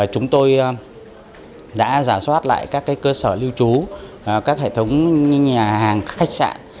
chúng tôi đã giả soát lại các cơ sở lưu trú các hệ thống nhà hàng khách sạn